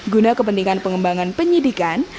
guna kepentingan pengembangan penyidikan